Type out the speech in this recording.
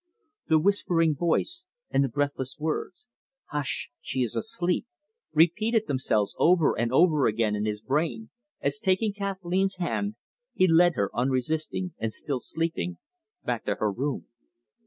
The whispering voice and the breathless words, "Hush she is asleep!" repeated themselves over and over again in his brain, as, taking Kathleen's hand, he led her, unresisting, and still sleeping, back to her room.